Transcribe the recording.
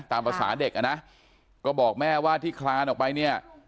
ตามภาษาเด็กอ่ะนะก็บอกแม่ว่าที่คลานออกไปเนี่ย